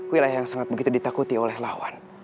wilayah yang sangat begitu ditakuti oleh lawan